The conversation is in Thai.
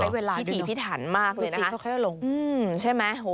ใช้เวลาที่ถี่พิถันมากเลยนะครับใช่ไหมโอ้โห